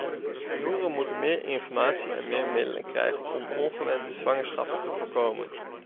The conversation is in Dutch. Jongeren moeten meer informatie en meer middelen krijgen om ongewenste zwangerschappen te voorkomen.